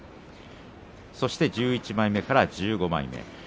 １１枚目から１５枚目。